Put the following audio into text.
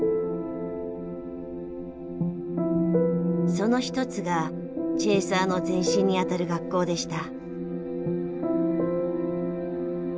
その一つがチェーサーの前身にあたる学校でした。